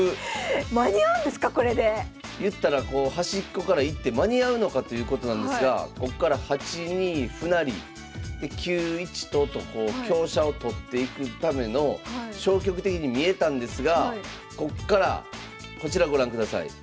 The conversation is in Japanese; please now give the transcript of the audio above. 間に合うんですかこれで⁉いったら端っこから一手間に合うのかということなんですがこっから８二歩成で９一と金と香車を取っていくための消極的に見えたんですがこっからこちらご覧ください。